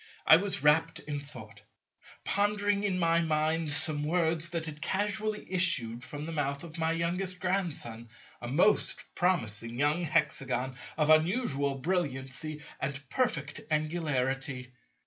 I was rapt in thought, pondering in my mind some words that had casually issued from the mouth of my youngest Grandson, a most promising young Hexagon of unusual brilliancy and perfect angularity.